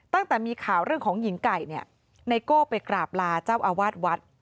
ตั้งแต่มีข่าวเรื่องของหญิงไก่เนี่ยไนโก้ไปกราบลาเจ้าอาวาสวัด